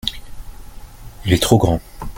il est trop grand.